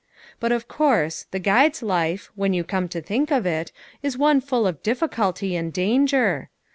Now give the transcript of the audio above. But of course, the guide's life, when you come to think of it, is one full of difficulty and danger.